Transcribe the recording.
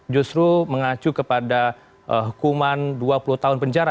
justru mengacu kepada hukuman dua puluh tahun penjara